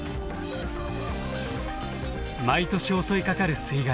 毎年襲いかかる水害。